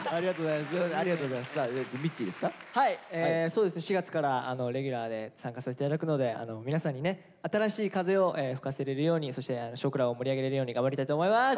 そうですね４月からレギュラーで参加させて頂くので皆さんにね新しい風を吹かせれるようにそして「少クラ」を盛り上げれるように頑張りたいと思います。